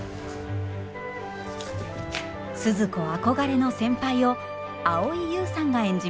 鈴子憧れの先輩を蒼井優さんが演じます。